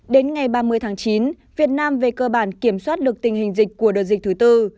đến ngày ba mươi tháng chín việt nam về cơ bản kiểm soát được tình hình dịch của đợt dịch thứ tư